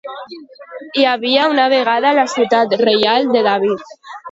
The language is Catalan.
Hi havia una vegada a la ciutat reial de David.